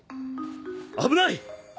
危ない！